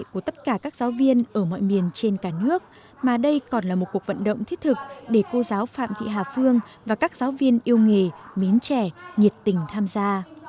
của tất cả các giáo viên ở mọi miền trên cả nước mà đây còn là một cuộc vận động thiết thực để cô giáo phạm thị hà phương và các giáo viên yêu nghề mến trẻ nhiệt tình tham gia